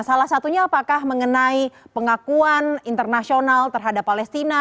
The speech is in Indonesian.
salah satunya apakah mengenai pengakuan internasional terhadap palestina